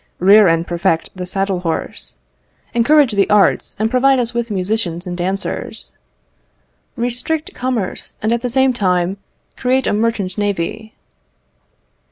"Rear and perfect the saddle horse." "Encourage the arts, and provide us with musicians and dancers." "Restrict commerce, and at the same time create a merchant navy."